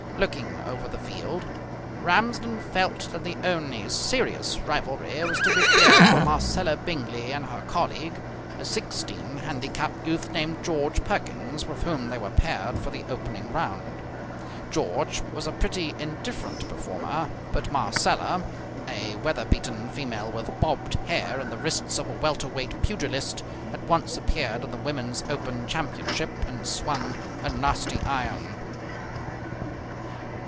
Looking over the field, Ramsden felt that the only serious rivalry was to be feared from Marcella Bingley and her colleague, a 16 handicap youth named George Perkins, with whom they were paired for the opening round. George was a pretty indifferent performer, but Marcella, a weather beaten female with bobbed hair and the wrists of a welterweight pugilist, had once appeared in the women's open championship and swung a nasty iron.